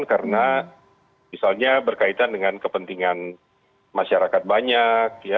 karena misalnya berkaitan dengan kepentingan masyarakat banyak